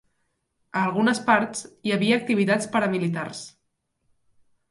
A algunes parts hi havia activitats paramilitars.